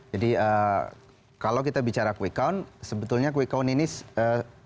jadi kalau kita bicara quick count sebetulnya quick count ini pembandingan